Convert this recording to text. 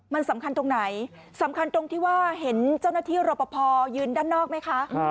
มันสำคัญตรงไหนสำคัญตรงที่ว่าเห็นเจ้าหน้าที่รอปภยืนด้านนอกไหมคะ